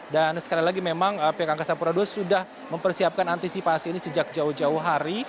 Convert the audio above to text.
sekali lagi memang pihak angkasa purado sudah mempersiapkan antisipasi ini sejak jauh jauh hari